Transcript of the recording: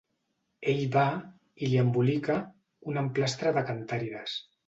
Ell va i li embolica «un emplastre de cantàrides»